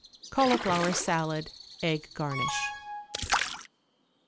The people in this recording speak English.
=Cauliflower Salad, Egg Garnish.